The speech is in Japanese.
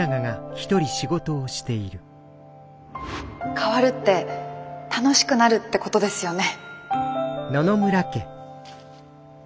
変わるって楽しくなるってことですよね。